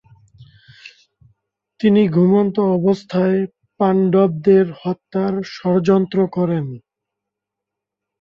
তিনি ঘুমন্ত অবস্থায় পাণ্ডবদের হত্যার ষড়যন্ত্র করেন।